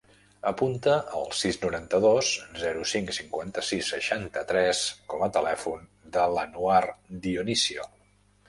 Apunta el sis, noranta-dos, zero, cinc, cinquanta-sis, seixanta-tres com a telèfon de l'Anouar Dionisio.